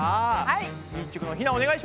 はい！